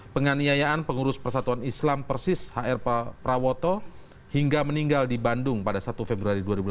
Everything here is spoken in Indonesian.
penganiayaan pengurus persatuan islam persis hrprawoto hingga meninggal di bandung pada satu februari dua ribu delapan belas